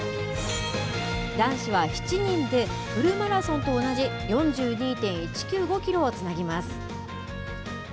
男子は７人で、フルマラソンと同じ４２．１９５キロをつなぎます。